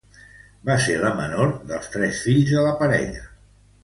Va ser la menor dels tres fills de la parella.